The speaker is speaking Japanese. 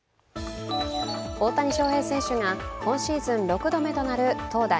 大谷翔平選手が今シーズン６度目となる投打